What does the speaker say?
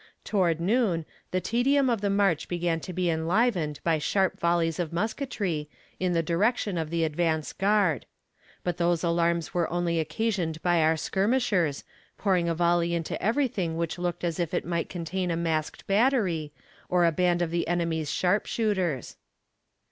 Toward noon, the tedium of the march began to be enlivened by sharp volleys of musketry, in the direction of the advance guard; but those alarms were only occasioned by our skirmishers, pouring a volley into everything which looked as if it might contain a masked battery, or a band of the enemy's sharpshooters.